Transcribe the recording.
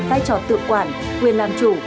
vai trò tự quản quyền làm chủ